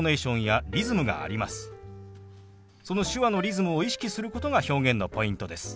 その手話のリズムを意識することが表現のポイントです。